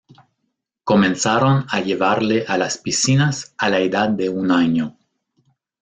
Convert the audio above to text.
Comenzaron a llevarle a las piscinas a la edad de un año.